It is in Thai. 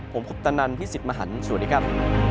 ผมคุปตะนันพี่สิทธิ์มหันฯสวัสดีครับ